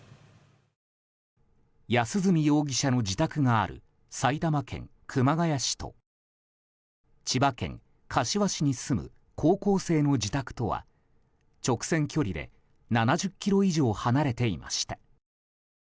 安栖容疑者の自宅がある埼玉県熊谷市と千葉県柏市に住む高校生の自宅とは直線距離で７０ｋｍ以上離れていました。